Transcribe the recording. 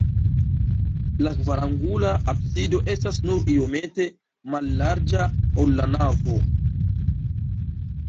La kvarangula absido estas nur iomete mallarĝa, ol la navo.